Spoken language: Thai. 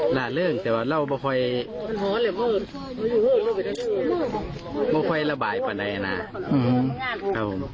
หลายเรื่องแต่ว่าเราไม่ค่อยไม่ค่อยระบายปันใดนะครับ